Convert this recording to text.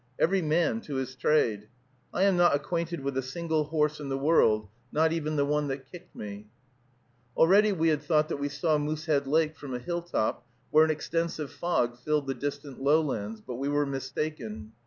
Every man to his trade. I am not acquainted with a single horse in the world, not even the one that kicked me. Already we had thought that we saw Moosehead Lake from a hilltop, where an extensive fog filled the distant lowlands, but we were mistaken.